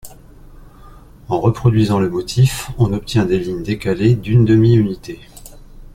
En reproduisant le motif, on obtient des lignes décalées d'une demi-unités.